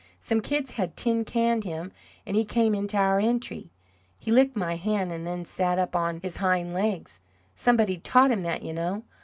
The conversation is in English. Some kids had tin canned him, and he came into our entry. He licked my hand, and then sat up on his hind legs. Somebody'd taught him that, you know.